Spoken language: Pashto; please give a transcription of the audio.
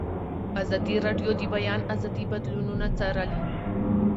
ازادي راډیو د د بیان آزادي بدلونونه څارلي.